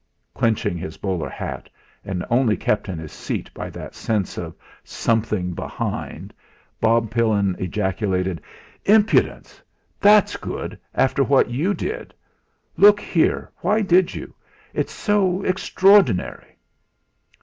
Clenching his bowler hat, and only kept in his seat by that sense of something behind, Bob Pillin ejaculated: "Impudence! That's good after what you did! Look here, why did you? It's so extraordinary!"